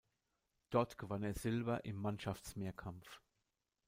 Dort gewann er Silber im Mannschaftsmehrkampf.